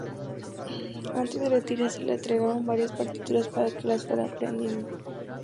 Antes de retirarse le entregaron varias partituras para que las fuera aprendiendo.